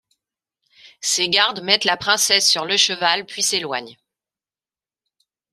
Ses gardes mettent la princesse sur le cheval puis s'éloignent.